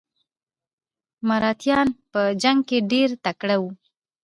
مراتیان په جنګ کې ډیر تکړه وو.